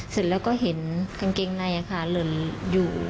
เสร็จแล้วก็เห็นกางเกงในค่ะหล่นอยู่